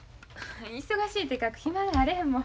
忙しいて書く暇があれへんもん。